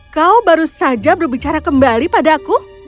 kau baru saja berbicara kembali padaku